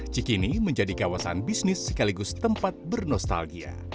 cikini menjadi kawasan bisnis sekaligus tempat bernostalgia